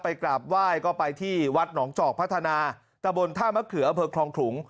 กราบไหว้ก็ไปที่วัดหนองจอกพัฒนาตะบนท่ามะเขืออำเภอคลองขลุง